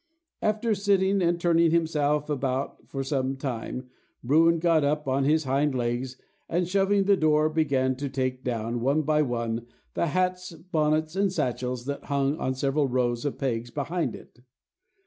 After sitting and turning himself about for some time, Bruin got up on his hind legs, and shoving to the door, began to take down, one by one, the hats, bonnets, and satchels, that hung on several rows of pegs behind it.